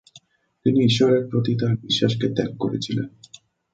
তিনি ঈশ্বরের প্রতি তার বিশ্বাসকে ত্যাগ করেছিলেন।